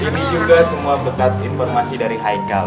ini juga semua bekas informasi dari haikal